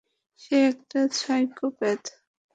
সে একটা সাইকোপ্যাথ।